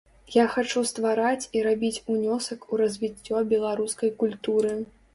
Я хачу ствараць і рабіць унёсак у развіццё беларускай культуры.